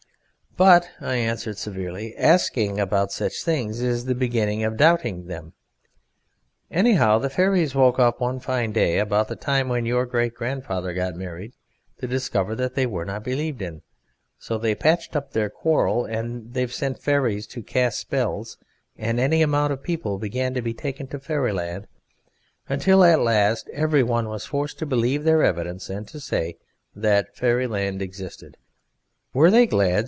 "But," I answered severely, "asking about such things is the beginning of doubting them. Anyhow, the fairies woke up one fine day about the time when your great grandfather got married, to discover that they were not believed in, so they patched up their quarrel and they sent fairies to cast spells, and any amount of people began to be taken to Fairyland, until at last every one was forced to believe their evidence and to say that Fairyland existed." "Were they glad?"